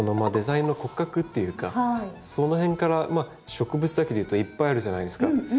デザインの骨格っていうかそのへんから植物だけでいうといっぱいあるじゃないですか